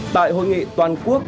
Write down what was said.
tại hội nghị toàn quốc